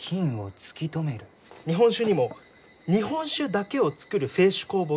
日本酒にも日本酒だけを造る清酒酵母がいるのか。